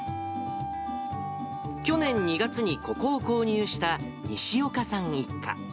去年２月にここを購入した西岡さん一家。